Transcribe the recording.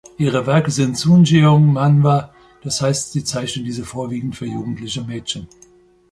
Ihre Werke sind Sunjeong-Manhwa, das heißt, sie zeichnet diese vorwiegend für jugendliche Mädchen.